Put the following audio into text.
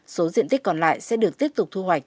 số diện tích còn lại sẽ được tiếp tục thu hoạch